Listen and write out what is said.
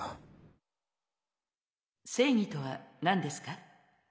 正義とは何ですか？